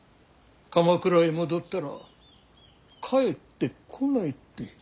鎌倉へ戻ったら帰ってこないって。